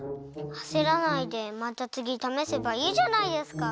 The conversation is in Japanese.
あせらないでまたつぎためせばいいじゃないですか。